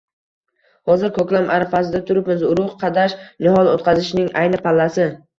Hozir koʻklam arafasida turibmiz, urugʻ qadash, nihol oʻtqazishning ayni pallasi